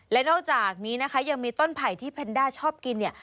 และนอกจากนี้นะคะยังมีต้นไผ่ที่แพนด้าชอบกินเนี่ย